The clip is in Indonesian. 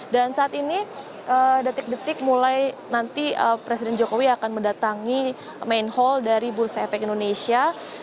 dan saat ini detik detik mulai nanti presiden jokowi akan mendatangi main hall dari bursa efek indonesia